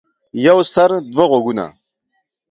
يو سر ،دوه غوږه.